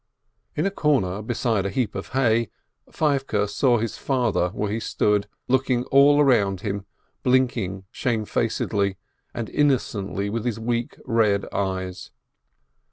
In a corner, beside a heap of hay, Feivke saw his father where he stood, looking all round him, blinking shamefacedly and innocently with his weak, red eyes.